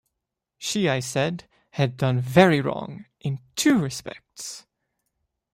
She I said had done very wrong in two respects.